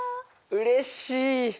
うれしい！